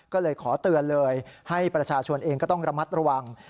ก็เลยขอเตือนเลยให้ประชาชนเองก็ต้องระมัดระวัง